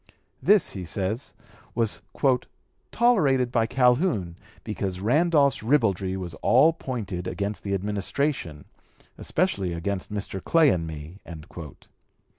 This, he says, was "tolerated by Calhoun, because Randolph's ribaldry was all pointed against the Administration, especially against Mr. Clay and me."